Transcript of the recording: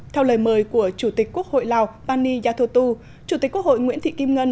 theo lời mời của chủ tịch quốc hội lào pani yathotu chủ tịch quốc hội nguyễn thị kim ngân